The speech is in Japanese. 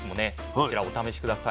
こちらお試し下さい。